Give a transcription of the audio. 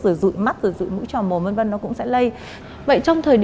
rồi rụi mắt rụi mũi trò mồm v v nó cũng sẽ lây